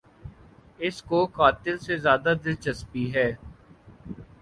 اس کو قاتل سے زیادہ دلچسپی ہے۔